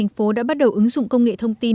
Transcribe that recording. thành phố đã bắt đầu ứng dụng công nghệ thông tin